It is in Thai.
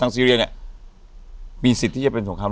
อยู่ที่แม่ศรีวิรัยิลครับ